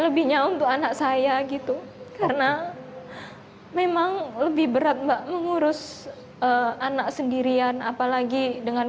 lebihnya untuk anak saya gitu karena memang lebih berat mbak mengurus anak sendirian apalagi dengan